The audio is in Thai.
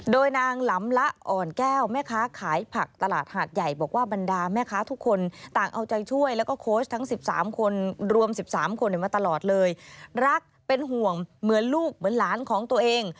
๑๓คนรวม๑๓คนมาตลอดเลยรักเป็นห่วงเหมือนลูกเหมือนหลานของตัวเอง